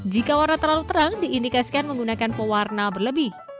jika warna terlalu terang diindikasikan menggunakan pewarna berlebih